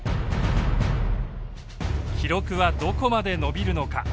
記録はどこまで伸びるのか。